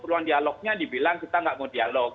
ruang dialognya dibilang kita nggak mau dialog